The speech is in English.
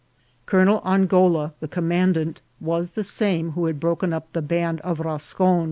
Colonel Angou la, the commandant, was the same who had broken up the band of Rascon.